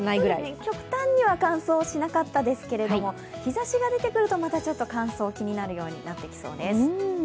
極端には乾燥しなかったですけれども日ざしが出てくるとまた乾燥が気になるようになってきそうです。